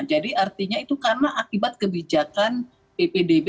jadi artinya itu karena akibat kebijakan ppdb